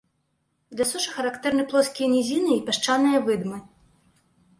Для сушы характэрны плоскія нізіны і пясчаныя выдмы.